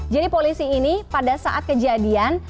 polisi ini pada saat kejadian